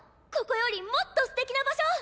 ここよりもっとすてきな場所！